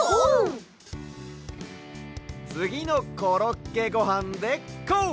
つぎの「コロッケごはん」でこう！